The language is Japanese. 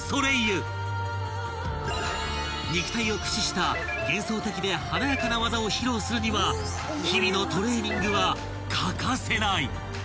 ［肉体を駆使した幻想的で華やかな技を披露するには日々のトレーニングは欠かせない］